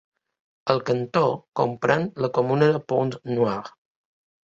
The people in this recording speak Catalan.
El cantó comprèn la comuna de Pointe-Noire.